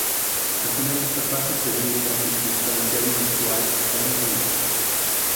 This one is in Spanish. Al final de esta fase se dio una circunstancia inusual hasta el momento.